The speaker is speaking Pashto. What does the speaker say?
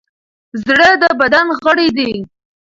زړه د بدن غړی دی.